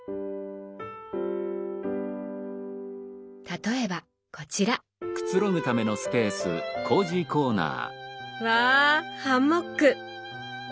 例えばこちらわハンモック！